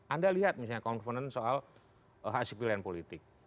anda lihat misalnya konfenen soal hak asasi pilihan politik